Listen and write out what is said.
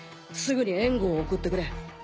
すぐに援護を送ってくれ。